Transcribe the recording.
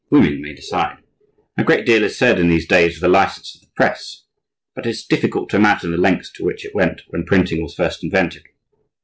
Women may decide. A great deal is said in these days of the license of the press; but it is difficult to imagine the lengths to which it went when printing was first invented.